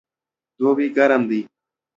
دوبئ ګرم وي